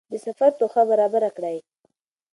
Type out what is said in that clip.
د سفر توښه برابره کړئ.